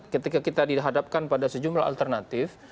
ketika kita dihadapkan pada sejumlah alternatif